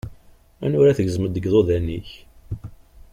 Anwa ar ad tgezmeḍ deg iḍudan-ik?